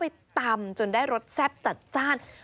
แล้วก็ไปตำจนได้รสแซ่บจัดจ้าน